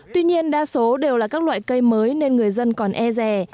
tuy nhiên đa số đều là các loại cây mới nên người dân còn e rè